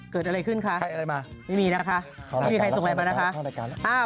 เกิดอะไรขึ้นคะไม่มีนะคะไม่มีใครส่งอะไรมานะคะ